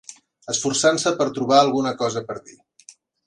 Esforçant-se per trobar alguna cosa per dir